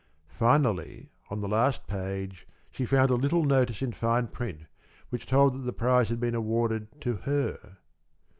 Finally, on the last page she found a little notice in fine print which told that the prize had been awarded to her.